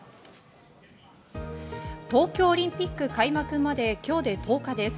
東京オリンピック開幕まで今日で１０日です。